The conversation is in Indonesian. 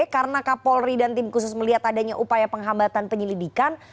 karena kapolri dan tim khusus melihat adanya upaya penghambatan penyelidikan